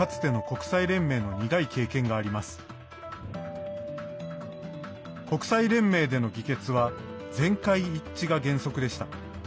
国際連盟での議決は全会一致が原則でした。